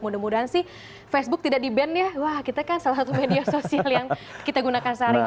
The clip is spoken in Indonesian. mudah mudahan sih facebook tidak di ban ya wah kita kan salah satu media sosial yang kita gunakan sehari hari